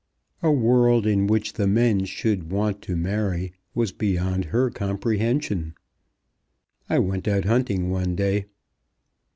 A world in which the men should want to marry was beyond her comprehension. I went out hunting one day."